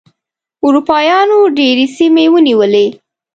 اروپایانو ډېرې سیمې ونیولې.